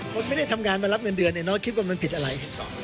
คนไม่ได้ทำงานมารับเงินเดือนเนี่ยน้อยคิดว่ามันผิดอะไร